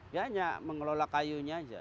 dia hanya mengelola kayunya saja